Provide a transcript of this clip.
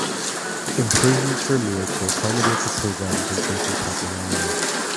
Improvements were made to accommodate the program's increasing popularity.